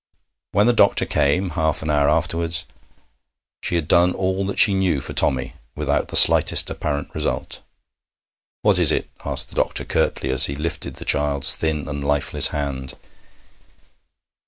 When the doctor came, half an hour afterwards, she had done all that she knew for Tommy, without the slightest apparent result. 'What is it?' asked the doctor curtly, as he lifted the child's thin and lifeless hand.